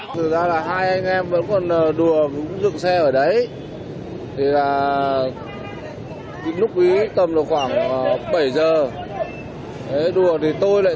thực ra là hai anh em vẫn còn đùa dựng xe ở đấy